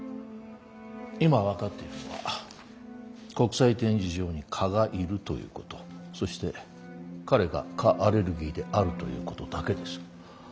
今分かっているのは国際展示場に蚊がいるということそして彼が蚊アレルギーであるということだけです。